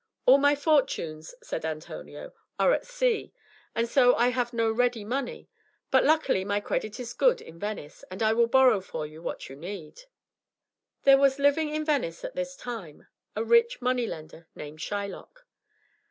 "All my fortunes," said Antonio, "are at sea, and so I have no ready money; but luckily my credit is good in Venice, and I will borrow for you what you need." There was living in Venice at this time a rich money lender, named Shylock.